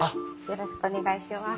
よろしくお願いします。